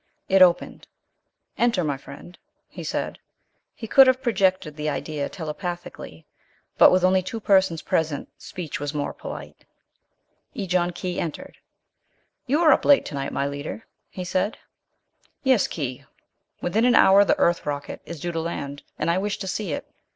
It opened. "Enter, my friend," he said. He could have projected the idea telepathically; but with only two persons present, speech was more polite. Ejon Khee entered. "You are up late tonight, my leader," he said. "Yes, Khee. Within an hour the Earth rocket is due to land, and I wish to see it.